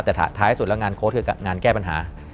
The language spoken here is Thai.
แต่ท้ายสุดแล้วงานโค้ดคืองานแก้ปัญหา